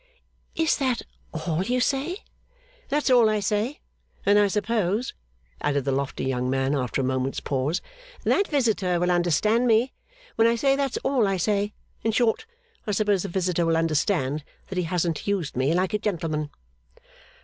'Is that all you say?' 'That's all I say. And I suppose,' added the lofty young man, after a moment's pause, 'that visitor will understand me, when I say that's all I say. In short, I suppose the visitor will understand that he hasn't used me like a gentleman.